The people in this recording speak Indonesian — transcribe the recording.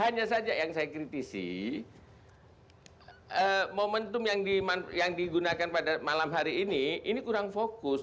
hanya saja yang saya kritisi momentum yang digunakan pada malam hari ini ini kurang fokus